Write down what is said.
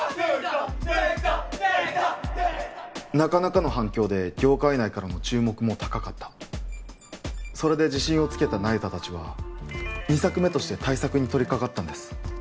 なかなかの反響で業界内からの注目も高かったそれで自信をつけた那由他達は２作目として大作に取りかかったんです